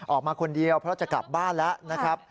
ออกมาคนเดียวเพราะจะกลับบ้านแล้วนะครับ